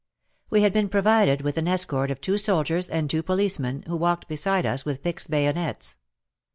We had been provided with an escort of two soldiers and two policemen, v/ho walked beside us with fixed bayonets.